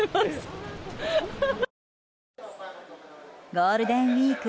ゴールデンウィーク